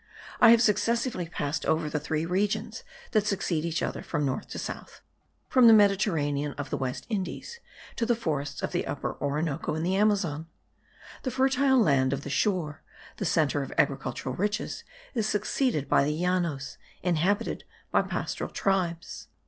I have successively passed over the three regions that succeed each other from north to south; from the Mediterranean of the West Indies to the forests of the Upper Orinoco and of the Amazon. The fertile land of the shore, the centre of agricultural riches, is succeeded by the Llanos, inhabited by pastoral tribes.